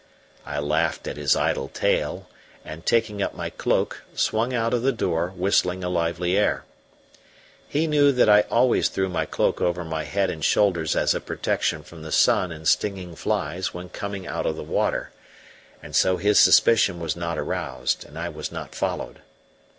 I laughed at his idle tale and, taking up my cloak, swung out of the door, whistling a lively air. He knew that I always threw my cloak over my head and shoulders as a protection from the sun and stinging flies when coming out of the water, and so his suspicion was not aroused, and I was not followed.